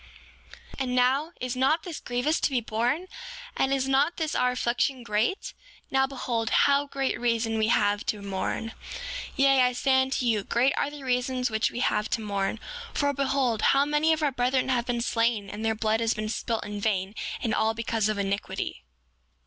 7:23 And now, is not this grievous to be borne? And is not this, our affliction, great? Now behold, how great reason we have to mourn. 7:24 Yea, I say unto you, great are the reasons which we have to mourn; for behold how many of our brethren have been slain, and their blood has been spilt in vain, and all because of iniquity.